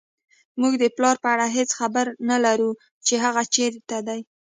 موږ د پلار په اړه هېڅ خبر نه لرو چې هغه چېرته دی